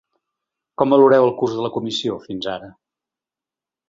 Com valoreu el curs de la comissió, fins ara?